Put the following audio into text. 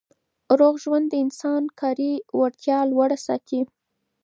روغ ژوند د انسان کاري وړتیا لوړه ساتي.